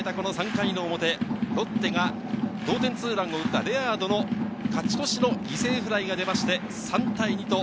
３回表、ロッテが同点ツーラン、そして、レアードの勝ち越し犠牲フライが出て、３対２。